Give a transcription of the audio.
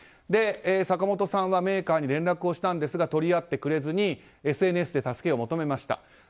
坂本さんはメーカーに連絡をしましたが取り合ってくれずにＳＮＳで助けを求めました。